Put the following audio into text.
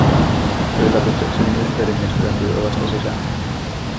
Yllätyksekseni Mysteerimies työntyi ovesta sisään.